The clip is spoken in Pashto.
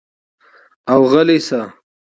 او غلے شۀ ـ